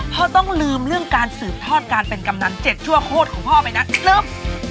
ต้องลืมเรื่องการสืบทอดการเป็นกำนัน๗ชั่วโคตรของพ่อไปนะลืม